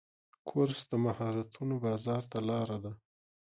کورس د مهارتونو بازار ته لاره ده.